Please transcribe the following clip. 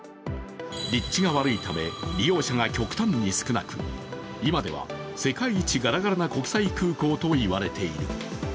立地が悪いため、利用者が極端に少なく、今では世界一ガラガラな国際空港と言われている。